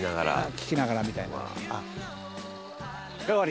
「聞きながらみたいな」